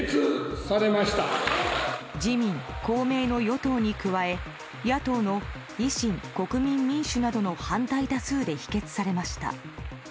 自民・公明の与党に加え野党の維新・国民民主などの反対多数で否決されました。